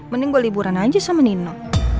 mending gue liburan aja sama nino